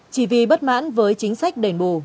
chỉ vì bất mãn với chính sách đền bù